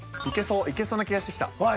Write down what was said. いけそうな気がしてきた。